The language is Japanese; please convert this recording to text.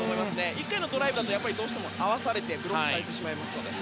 １回のドライブだとどうしても合わされてブロックされてしまいますので。